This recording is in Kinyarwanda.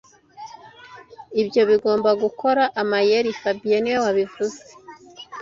Ibyo bigomba gukora amayeri fabien niwe wabivuze